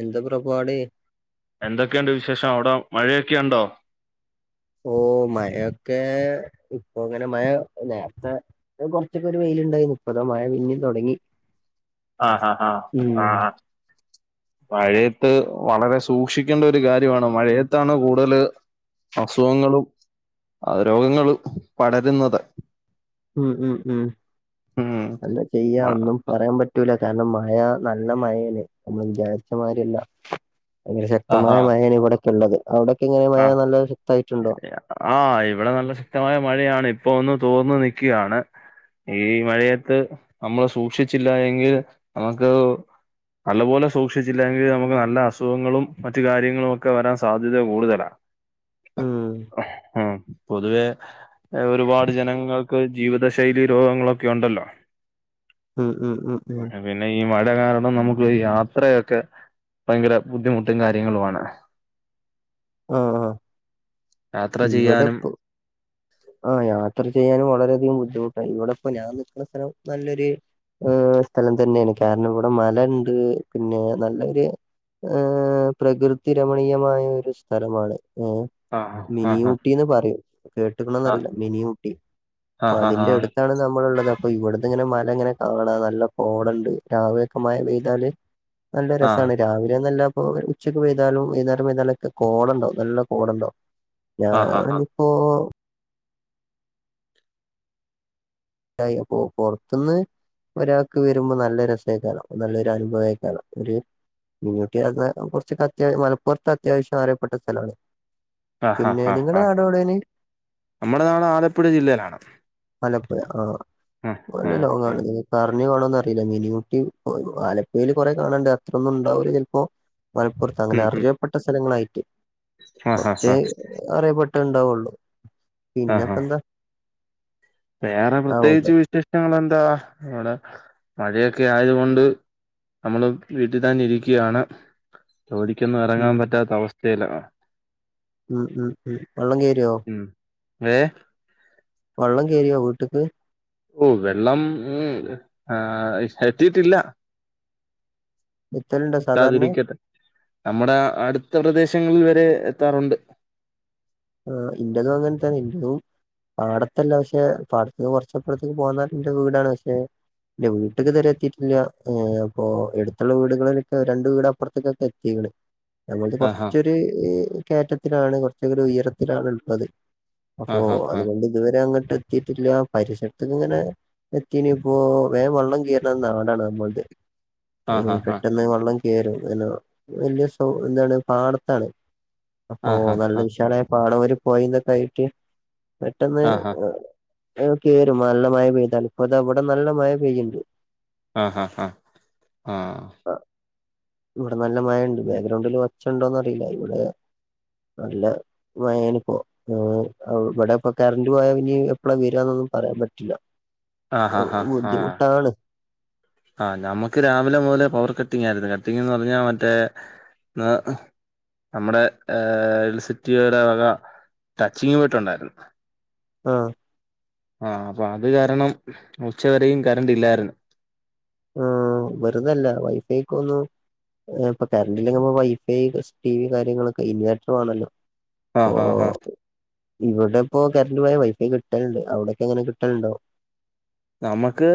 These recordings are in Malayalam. എന്താ പുറപാട് എന്തൊക്കെയുണ്ട് വിശേഷം അവിടെ മഴയൊക്കെ ഉണ്ടോ ഓ മഴൊക്കെ ഇപ്പൊ അങ്ങനെ മഴ നേരത്തെ കുറച്ചൊക്കെ ഒരു വെയിലുണ്ടായി പ്പതാ മഴ പിന്നിം തുടങ്ങി. ആഹ് ഹഹ് ഉം ആഹ് ആഹ് ആ മഴയത്ത് വളരെ സൂക്ഷിക്കേണ്ട ഒരു കാര്യമാണ് മഴയത്താണ് കൂടുതല്. അസുഖങ്ങളും രോഗങ്ങളും പടരുന്നത്. ഉം ഉം ഉം എന്താ ചെയ്യാ ഒന്നും പറയാൻ പറ്റ കാരണം മഴ നല്ല മഴേണ് നമ്മൾ വിചാരിച്ചമാതിരല്ല. ശക്തമായ ആഹ് മഴാണ് ഇവിടെക്കെ ഉള്ളത്. അവിടൊക്കെ ഇങ്ങനെ മഴ നല്ല ശക്തായിട്ടുണ്ടോ? ആ ഇവിടെ നല്ല ശക്തമായ മഴയാണ്. ഇപ്പൊ ഒന്ന് തോർന്നു നിൽക്കയാണ്. ഈ മഴയത്ത് നമ്മള് സൂക്ഷിച്ചില്ല എങ്കിൽ നമുക്ക്. നല്ലപോലെ സൂക്ഷിച്ചില്ലെങ്കിൽ നമുക്ക് നല്ല അസുഖങ്ങളും മറ്റു കാര്യങ്ങളും ഒക്കെ വരാൻ സാധ്യത കൂടുതലാ. ഉം ആ പൊതുവെ ഒരുപാട് ജനങ്ങൾ. ജീവിതശൈലി രോഗങ്ങളൊക്കെ ഉണ്ടല്ലോ. ഉം ഉം ഉം ഉം പിന്നെ ഈ മഴ കാരണം നമുക്ക് യാത്രയൊക്കെ ഭയങ്കര ബുദ്ധിമുട്ടും കാര്യങ്ങളുമാണ്. ആഹ് യാത്ര ചെയ്യാനും ഇവിടെപ്പം ആ യാത്ര ചെയ്യാനും വളരെയധികം ബുദ്ധിമുട്ടാണ്. ഇവിടെ ഇപ്പോ ഞാൻ നിക്കുന്ന സ്ഥലം നല്ലൊരു. ഏഹ സ്ഥലം തന്നെയാണ് കാരണം ഇവിടെ മല ഉണ്ട് പിന്നെ നല്ലൊരു ഏ പ്രകൃതി രമണീയമായ ഒരു സ്ഥലമാണ്. ഏ ആ ആ മിനി ആ ഊട്ടിന്ന് പറിം ആ കേട്ടക്കണന്ന്റിയില്ല മിനി ഊട്ടി. അപ്പ ആ ആ ആ ആ അതിന്റെ അടുത്താണ് നമ്മളുള്ളത്. ഇവിടുന്ന് ഇങ്ങനെ മല ഇങ്ങനെ കാണാ നല്ല കോടണ്ട് രാവിലെയൊക്കെ മഴ പെയ്താല്. നല്ല ആ ആ രസണ് രാവിലെന്നല്ല അപ്പോ ഉച്ചക്ക് പൈതാലും വൈന്നാരം പൈ താലൊക്കെ. കോടണ്ടാവും നല്ല കോടണ്ടാവും ആ ഞാനിപ്പോ. അ പുറത്ത്ന്ന്. ഒരാൾക്ക് വരുമ്പോ നല്ല രസേകാരം നല്ലൊരു അനുഭവേക്കാരം ഒരു മിനിഉടി പറഞ്ഞ കുറച്ച് അത്യാവശം മലപ്പുറത്ത് അത്യാവശ്യം അറിയപ്പെട്ട സ്ഥലമാണ്. ആ ഹാ ഹാ ഹ നമ്മുടെ നാട് ആലപ്പുഴ ജില്ലയിലാണ്. ആലപ്പുഴ ആ ആ ആ നല്ല ആ ലോങ്ങാണ്. കാണോന്ന് അറിയില്ല മീനി ഊട്ടി ആലപ്പുയിയില് കൊറെ കാണണ്ട്. അത്രൊന്നും ഉണ്ടാവില്ല ചിലപ്പോ. മലപ്പുറത്ത് അങ്ങനെ ഉം ഉം അറിയപ്പെട്ട സ്ഥലങ്ങളായിട്ട് ആ ആ കുറച്ച് ആ അറിയപ്പെട്ട ഉണ്ടാവുള്ളു ആ ആ പിന്നെപ്പ എന്താ. വേറെ ഉണ്ട് പ്രത്യേകിച്ച് വിശേഷങ്ങെളെന്താ ഇവിടെ മഴയൊക്കെ ആയതുകൊണ്ട്. നമ്മള് വീട്ടിൽ തന്നെ ഇരിക്കുകയാണ്. ജോലിക്കൊന്നും ഉം ഇറങ്ങാൻ പറ്റാത്ത അവസ്ഥയിലാ. ഉം ഉം ഉം വെള്ളം കേരോ ഉം ഏ വള്ളം കോറിയോ വീട്ടക്ക്. ഓ വെള്ളം ആ എത്തിട്ടില്ല. എത്തലുണ്ടോ സാധാരണ എത്താതിരിക്കട്ടെ നമ്മുടെ അടുത്ത പ്രദേശങ്ങളിൽ വരെ എത്താറുണ്ട്. ആ ഇന്റതും അങ്ങനത്തന്നെ ഇന്റതും. പാടത്തല്ല പക്ഷെ പാടത്ത് കുറച്ച് ഇപ്പറത്തേക്ക് പോന്നാൽ ന്റെ വീടാണ് പക്ഷെ. ഇല്ല വീട്ടക്ക് തരെ എത്തിട്ടില്ല ഏ അപ്പൊ എടുത്തുള്ള വീടുകളിലൊക്കെ രണ്ട വീട അപ്പുറത്തേക്കൊക്കെ എത്തിണ് ഞങ്ങൾത് ആഹാ കുറച്ചൊരു കയറ്റത്തിലാണ്. കുറച്ചൊ ഉയരത്തിലാണ് ഉള്ളത്. ഓ ആഹാ ആ അതുകൊണ്ട് ഇതുവരെ അങ്ങോട്ട് എത്തിട്ടില്ല പരിസരത്തക്ക ഇങ്ങനെ എത്തിനി ഇപ്പോ വേൻ വള്ളം കയറണ നാടാണ് നമ്മൾത് ആഹാ പെട്ടെന്ന് വള്ളം വലിയ ശോ എന്താണ് പാടത്താണ്. അപ്പൊ ആ ആഹാ നല്ല വിശാല ഒരു പോയി തൊക്കെ ആയിറ്റ് പെട്ടന്ന്. ആ ആഹാ കേരും നല്ല മഴ പെയ്താല്, ഇവിടെ ഇപ്പ താ നല്ല മഴ പെയ്യ്ണ്ട്. ആഹ് ഹാ ആ ആഹ് ഇവിടെ നല്ല മഴണ്ട് ബാഗ്രൗണ്ടില് ഒച്ചയുണ്ടോന്നറിയില്ല ഇവിടെ നല്ല മഴയാനിപ്പോ ആ ആ ഇവിടെ ഇപ്പ കറണ്ട് പോയാ ഇനി എപ്പളാ വരാന്നൊന്നും പറയാൻ പറ്റില്ല ആഹ് ആഹാ ഹാ ഏവു ഹാ ബുദ്ധിമുട്ടാണ് ആ നമുക്ക് രാവിലെ മുതലേ പവർ കട്ടിംഗ് ആരുന്നു കട്ടിംങ്ങെന്ന് പറഞ്ഞാ മറ്റേ ന നമ്മുടെ ഏ ഇലസിറ്റി വര വക ടച്ചിങ്ങ് വെട്ടുണ്ടായിരുന്ന് ആ ആ അപ്പ അത് കാരണം ഉച്ചവരെയും കറണ്ട് ഇല്ലാരുന്നു ആ വെറുതെ അല്ല വൈഫൈക്ക് ഒന്നു ആ ഇപ്പ കറണ്ട് ഇല്ലെങ്കി നമ്മ വൈഫൈക്ക് സ്പീഡ് കാര്യങ്ങളൊക്കെ ഇൻവെർട്ടർ വേണോല്ലോ ആ ഹ ഹ ഇവിടെപ്പോ കറണ്ട് പോയ വൈഫൈ കിട്ടല്ണ്ട് അവിടൊക്കെ എങ്ങനെ കിട്ടലുണ്ടോ? നമ്മക്ക്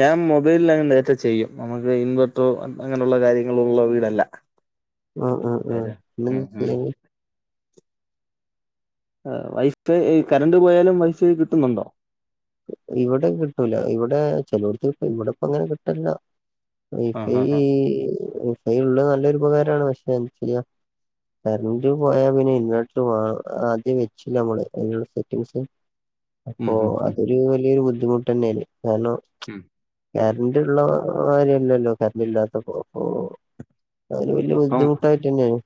ഞാൻ മൊബൈലിലായോണ്ട് ഡേറ്റ ചെയ്യും നമ്മക്ക് ഇൻവർ അപ്പോ അങ്ങനൊള്ള കാര്യങ്ങളൊളളരു ഇതല്ല ഉം [unintelligible] ആ വൈഫൈ കറണ്ട് പോയാലും വൈഫൈ കിട്ടുന്നുണ്ടോ ഇവിടെ കിട്ടൂല ഇവിടെ ചെലോടത്ത് കിട്ടും ഇവിടെ ഇപ്പ അങ്ങനെ കിട്ടണില്ല ആഹ് വൈഫൈ ആഹ് ആഹ് ഏ വൈഫൈ ഉള്ള നല്ലൊരു ഉപകാരമാണ് പക്ഷെ എന്ത് ചെയ്യാം കറന്റ് പോയാ പിന്നെ ഇൻവർട്ടറ് ആ ആദ്യം വെച്ചൂല്ല നമ്മള് അതിനുള്ള സെറ്റിംഗ്സ് ഉം ഓ ഉം ഉം അതൊരു വലിയൊരു ബുദ്ധിമുട്ട് തന്നെയാണ് കാരണം ഉം കറണ്ട് ള്ള മാതിരി അല്ലല്ലോ കറണ്ട് ഇല്ലാത്തപ്പോ അപ്പോ അതിന് വല്യ ഇപ്പം ബുദ്ധിമുട്ടായിട്ട് തന്നെയാണ്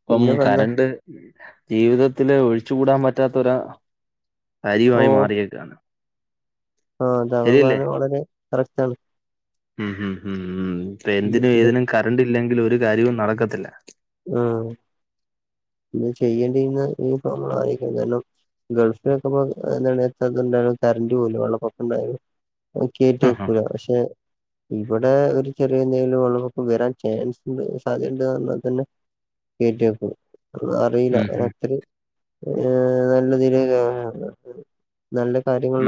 ഇപ്പം പിന്നപ്പ എന്താ? കറണ്ട് ജീവിതത്തില് ഒഴിച്ചു കൂടാൻ പറ്റാത്തൊരാ ഭാരൃയുമായി മാറിയേക്കാണ് ഓ അത് ശരിയല്ലേ അവപാതമാണെങ്കി കറക്റ്റാണ് ഉം ഉം ഉം ഉം ഇപ്പ എന്തിനും ഇത് ഏതിനും കറണ്ട് ഇല്ലെങ്കിലി ഒരു കാര്യവും നടക്കത്തില്ല ഉം ഇത് ചെയ്യേണ്ടിരുന്ന ഇനിയിപ്പം നമ്മള് അയക്കണ്ടാലോ? ഗൾഫിലൊക്കെ ഇപ്പോ എന്താണ് എത്താത്തോണ്ടാണ് കറ്ണ്ട് പോലും വെള്ളപ്പൊക്കംണ്ടയാൽ ഓ കേറ്റി ആഹ് വയ്ക്കൂല പക്ഷെ ഇവിടെ ഒരു ചെറിയ എന്തെങ്കിലും വെളളപ്പൊക്കം വരാൻ ചാൻസിണ്ട് സാധ്യത ഇണ്ട് വന്നാ തന്നെ കേറ്റിവയ്ക്കും അറിയില്ല ഉം ഉം അനോത്തിരി ഏ നല്ല തീരുമാനം ആയേ ഒള്ള് എന്നാലും നല്ല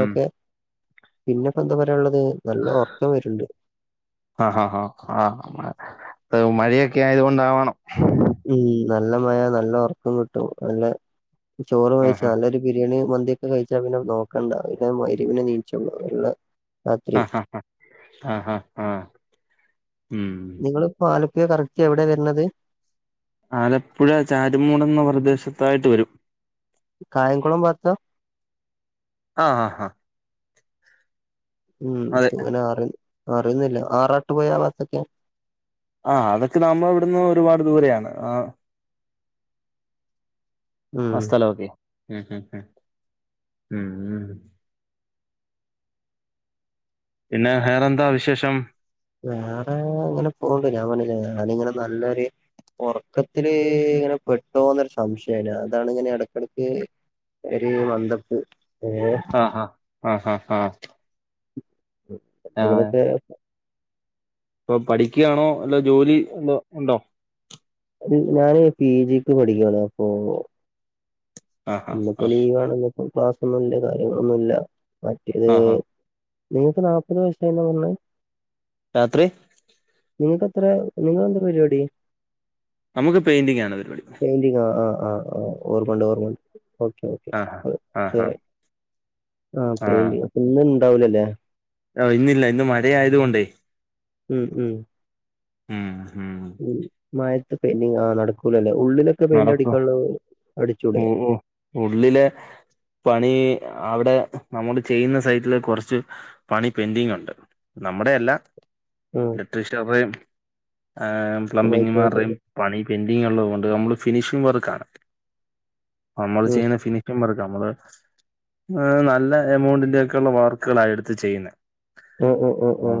ഉം പിന്നെ ഇപ്പോ എന്താ പറയാനുള്ളത് നല്ല ഉറക്കം വരുണ്ട് ആഹ ഹ ഹ മഴയൊക്കെ ആയത് കൊണ്ടാവണം ഉം നല്ല മഴ നല്ല ഉറക്കം കിട്ടും നല്ല ചോറ് കഴിച്ച ആഹാ നല്ലൊരു ബിരിയാണി മന്തിയൊക്കെ കഴിച്ചാ പിന്നെ നോക്കണ്ടാ പിന്നെ മഗ്രിബിന നീച്ചുള്ളു ആ ഹ ഹ ആഹ ആ ഉം നിങ്ങളിപ്പോ ആലപ്പുഴ കറക്റ്റ് എവിടെയാ വരണത് ആലപ്പുഴ ചാരുമൂട് എന്ന പ്രദേശത്തായിട്ട് വരും കായംകുളം ഭാഗത്താ ആ ആഹ ഉം അതെ അങ്ങനെ അറി അറിയൊന്നുല്ല ആറാട്ട് പുഴ ഭാഗത്തൊക്കെ ആഹ് അതൊക്കെ നമ്മളെ ഇവിടുന്ന് ഒരുപാട് ദൂരെയാണ് ആ ആ ഉം സ്ഥലോക്കെ മ് ഹ് ഹ് ഉം പിന്നെ വേറെന്താ വിശേഷം വേറെ ഇങ്ങനെ പോണ് ഞാൻ പറഞ്ഞില്ലേ ഞാനിങ്ങനെ നല്ലൊര് ഉറക്കത്തില് ഇങ്ങനെ പെട്ടോന്നൊരു സംശയം അതാണ് ഇങ്ങനെ ഇടക്കിടക്ക് ഒര് മന്തപ്പ് ഏഹ് ആഹ് ആഹ് ആഹ് ഹഹ് ആഹ് [unintelligible] ഇപ്പൊ പഠിക്കുകയാണോ അല്ല ജോലി എന്തോ ഉണ്ടോ ഞാന് പി ജിക്ക് പഠിക്കുവാണ് അപ്പൊ ആ ആ ഇന്നിപ്പോ ആ ലീവ് ആണ് ഇപ്പോ ക്ലാസ്ഒന്നുംല്ല കാര്യങ്ങളൊന്നുംല്ല. മറ്റേത് ആ ആ നിങ്ങക്ക് നാല്പ്പത് വയസാന്നാ പറഞ്ഞേ രാത്രി. നിങ്ങക്ക് എത്ര നിങ്ങക്ക് എന്തരു പരിപാടി നമുക്ക് പെയിന്റിംഗ് ആണ് പരുപടി. പെന്റിങ്ങോ ആഹ്, ആഹ് ഓർമണ്ട്, ഓർമണ്ട് ഓക്കെ ഓക്കേ. ആ ഒ ആ അ ആ ആ പെയിന്റ് അ ഇന്ന് ഇണ്ടാവുലല്ലേ? ഇന്നില്ല ഇന്ന് മഴ ആയത് കൊണ്ടേ ഉം ഉം ഉം ഉ മഴത്ത് പെയിന്റിങ് ആ നടക്കൂലല്ലേ ഉള്ളിലൊക്കെ പെയിന്റ് നടക്കും അടിക്കാനുള്ള അടിച്ചൂടേ? ഓ ഓ ഉള്ളിലെ പണി അവിടെ നമ്മള് ചെയ്യുന്ന സൈറ്റില് കുറച്ച് പണി പെൻഡിങ് ഉണ്ട് നമ്മുടെയല്ല. ഉം [unintelligible] പ്ലംബിംഗ് വൈറ്റ് വാഷ് മാരുടെയും ചെയ്ത് പണി പെന്റിങ് ഉള്ളത് കൊണ്ട് നമ്മള് ഫിനിഷിംഗ് വർക്കാണ് നമ്മൾ ഉം ചെയ്യുന്ന ഫി ർക്ക് നമ്മള് നല്ല എമൗണ്ടിന്റെക്കെയുള്ള വർക്കുകളായി എടുത്ത് ചെയ്യുന്ന. ഓ ഒ ഒ ഒ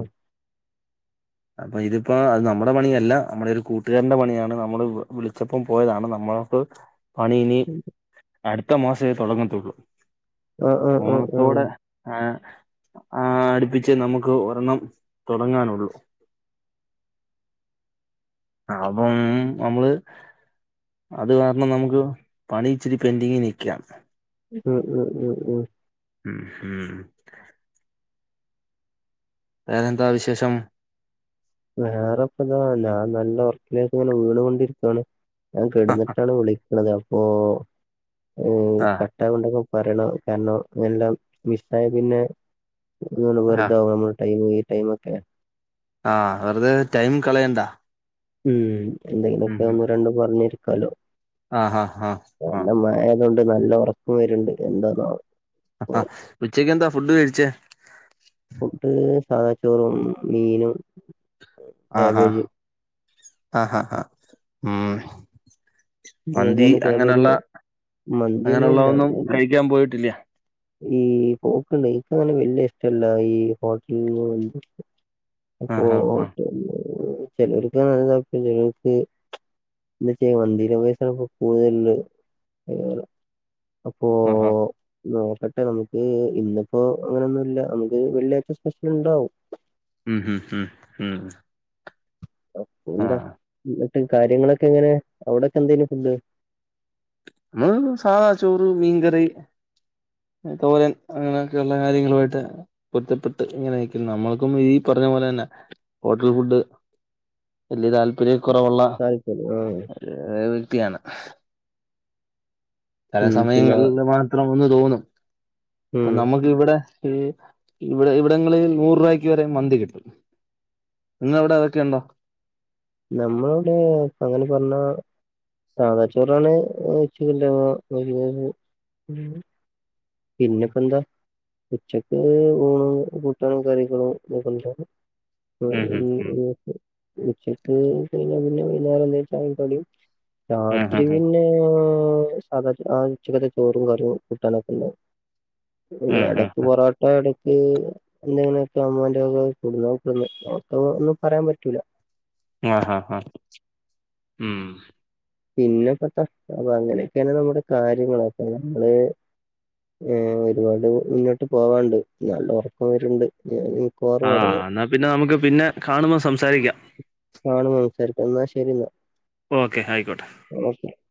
അപ്പൊ ഇതിപ്പോ അത് നമ്മുടെ പണിയല്ല നമ്മുടെ ഒരു കൂട്ടുകാരന്റെ പണിയാണ് നമ്മള് വിളിച്ചപ്പം പോയതാണ് നമ്മൾക്ക് പണില് അടുത്ത മാസമേ തുടങ്ങത്തുള്ളൂ. ആ ആ ആ ഓണം ആ ത്തോടെ ആഹ് ആഹ് അടുപ്പിച്ച് നമുക്ക് ഒരെണ്ണം തുടങ്ങാനുള്ളൂ [inaudible] അപ്പം നമ്മള് അത് കാരണം നമുക്ക് പണി ഇച്ചിരി പെന്റിങ്ങി നിക്കാണ് ഉം ഉം ഉം ഉം ഉം ഹും വേറെന്താ വിശേഷം വേറെപ്പ ഇതാ ഞാൻ നല്ല ഉറക്കിലേക്ക് ഇങ്ങനെ വീണ് കൊണ്ടിരിക്കുണ്. ഞാൻ ആ കിടന്നിട്ടാണ് വിളിക്കുന്നത് അപ്പോ ആ ക പറയണം കാരണംഎല്ലാം മിസ് ആയ പിന്നെ ഇങ്ങ് ആ വെറുതാവും നമ്മ ടൈം ഈ ടൈം ഒക്കെയേ ആ വെറുതെ ടൈം കളയണ്ട. ഉം എന്തെങ്കിലും ഉം ഒക്കെ ഉം ഒന്ന് രണ്ടും പറഞ്ഞിരിക്കാലോ ആ ഹാ ഹാ ആ നല്ല മ ങ്ങണ്ട് നല്ല ഉറക്കോ വരുണ്ട് എന്താനാവോ ആഹഉച്ചയ്ക്ക് എന്താ ഫുഡ് കഴിച്ചേ? ഫുഡ് സാദാച്ചോറും മീനും ആഹ് ഹാ ക്യാബേജ് ആഹ ഹാ് ഹാ് ഉം മന്തി നിങ്ങൾക്കങ്ങനെ ക്യാബേജ് അങ്ങനെയുള്ള അങ്ങനെയുള്ള മന്തിയൊന്നുമില്ല ഒന്നും കഴിക്കാൻ പോയിട്ടില്ല? ഈ പോക്കണ്ട് എനിക്കങ്ങനെ വല്യ ഇഷ്ടല്ല ഈ ഹോട്ടലന്ന് ആ അപ്പൊ ഹാ ഹാ ഓട്ട ചിലർക്ക നല്ലത ചിലർക്ക് [unintelligible] മന്തി ലവേഴ്‌സാണ്പ്പൊ കൂടുതലുള്ളത്. [unintelligible] അപ്പൊ ആ ഹാ ആഹ് പട്ടെ നമുക്ക് ഇന്നിപ്പോ അങ്ങന ഒന്നുമല്ല നമുക്ക് വെള്ളിയാഴ്ച സ്പെഷ്യൽ ഉണ്ടാവും ഉം ഉം ഉം ഉം ആ എന്താ എന്നിട്ട് കാര്യങ്ങളൊക്കെ എങ്ങനെ അവിടെക്കെ എന്തേയ്ന് ഫുഡ്. നമ്മ സാദാ ചോറ് മീൻകറി. തോരൻ അങ്ങനെയൊക്കെയുള്ള കാര്യങ്ങളുമായിട്ട് [unintelligible] ഇങ്ങനെരിക്കന്ന് നമ്മൾക്കും ഈ പറഞ്ഞ പോലെ തന്നെ ഹോട്ടൽ ഫുഡ് വലിയ താല്പര്യം കുറവുള്ള താൽപ്പ ആ ആഹ് വ്യക്തിയാണ് പല ഉം പിന്നെ സമയങ്ങളിൽ മാത്രം ഒന്ന് തോന്നും അപ്പൊ ഉം നമുക്ക് ഇവടെ ഇവിടെ ഇവിടങ്ങളിൽ നൂറ് രൂപയ്ക്ക് വരെ മന്തി കിട്ടും. ന്നവ്ടെ അതൊക്കെണ്ടോ? നമ്മളിവിടെ അങ്ങനെ പറഞ്ഞ സാധാച്ചോറാണെ [unintelligible] പിന്നിപ്പെന്താ ഉച്ചക്ക് ഊണും കൂട്ടാനും കറികളും നിർബന്ധാ ഉം ഉം ഉം ഈ ഉച്ചക്ക് കഴിഞ്ഞ പിന്നെ വൈന്നേരം എന്തേലും, ചായയും കടിയും. ഉം രാത്രി ഉം ഉം പിന്നെ സാധാ ചോറ്, ആ ഉച്ചക്കത്തെ ചോറും കറിയും കൂട്ടാനൊക്കെ ഉണ്ടാവും പിന്നെ ഉം ഉം എടയ്ക്ക് പോറട്ട ഇ ഇടക്ക് എന്തെങ്ങനൊക്കെ അമ്മാന്റെ വക, ഒന്നും പറയാൻ പറ്റൂല. ആഹ് ആഹ് മം പിന്നെപ്പ എത്താ അപ്പോങ്ങനെ ഒക്കെയാണെ നമ്മളെ കാര്യങ്ങളപ്പ നമ്മള് ഏ ഒരുപാട് മുന്നോട്ട് പോവാണ്ട് നല്ല ഒറക്കം വരുണ്ട് ഞാനും ആ, ന്നാൽ പിന്നെ നമ്ക്ക് പിന്നെ കാണുമ്പോ സംസാരിക്കാം. കാണുമ്പ സംസാരിക്കാം, എന്നാ ശരി ന്നാ ഓക്കെ ആയിക്കോട്ടെ [unintelligible]